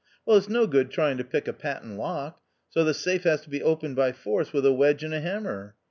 Well, it's no good trying to pick a patent lock ; so the safe has to be opened by force with a wedge and a hammer.